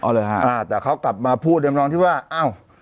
อ๋อหรือฮะอ่าแต่เขากลับมาพูดเรียบร้อยที่ว่าอ้าว